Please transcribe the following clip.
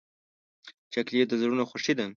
چاکلېټ د زړونو خوښي ده.